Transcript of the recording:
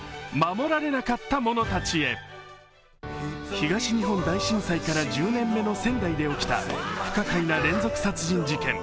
東日本大震災から１０年目の仙台で起きた不可解な連続殺人事件。